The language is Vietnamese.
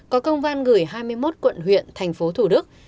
có công văn gửi hai mươi một quận huyện tp thủ đức